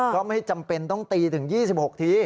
ก็ไม่จำเป็นต้องตีถึง๒๖ที